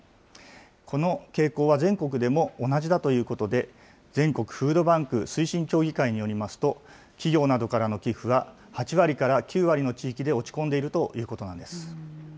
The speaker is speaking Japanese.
この傾向は全国でも同じだということで、全国フードバンク推進協議会によりますと、企業などからの寄付は８割から９割の地域で落ち込んでいるということなんです。